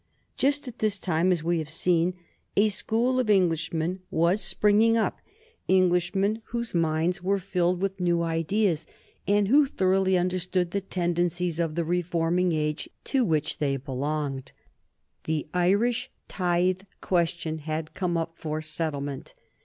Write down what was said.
Just at this time, as we have seen, a school of Englishmen was springing up: Englishmen whose minds were filled with new ideas, and who thoroughly understood the tendencies of the reforming age to which they belonged. The Irish tithe question had come up for settlement.